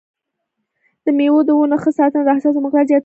د مېوو د ونو ښه ساتنه د حاصلاتو مقدار زیاتوي.